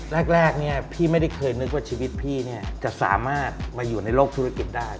แรกพี่ไม่ได้เคยนึกว่าชีวิตพี่เนี่ยจะสามารถมาอยู่ในโลกธุรกิจได้